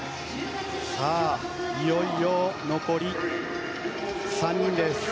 いよいよ残り３人です。